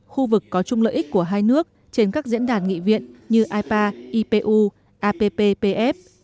khu vực có chung lợi ích của hai nước trên các diễn đàn nghị viện như ipa ipu app pf